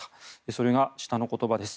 それが下の言葉です。